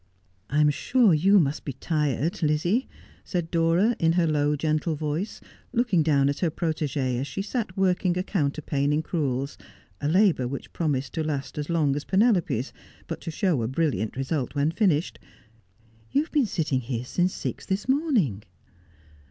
' I am sure you must be tired, Lizzie,' said Dora, in her low, gentle voice, looking down at her protegee as she sat working a counterpane in crewels, a labour which promised to last as long as Penelope's, but to show a brilliant result when finished. ' You have been sitting here since six this morning.'